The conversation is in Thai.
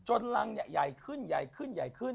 รังใหญ่ขึ้นใหญ่ขึ้นใหญ่ขึ้น